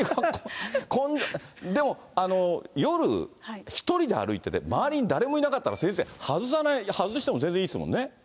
でも、夜、１人で歩いてて、周りに誰もいなかったら、先生、外しても全然いいですもんね。